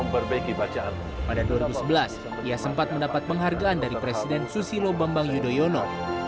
memperbaiki bacaan pada dua ribu sebelas ia sempat mendapat penghargaan dari presiden susilo bambang yudhoyono